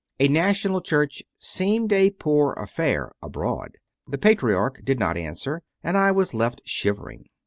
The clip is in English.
A national church seemed a poor affair abroad. The Patriarch did not answer, and I was left shivering.